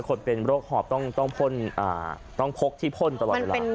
คนเป็นโรคหอบต้องพกที่พ่นตลอดเวลา